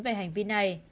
về hành vi này